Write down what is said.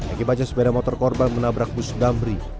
akibatnya sepeda motor korban menabrak bus damri